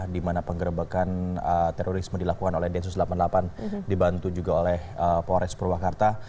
di mana penggerbekan terorisme dilakukan oleh densus delapan puluh delapan dibantu juga oleh polres purwakarta